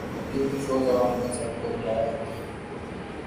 T V shows عوامی مسائل کو نمایاں کرتے ہیں۔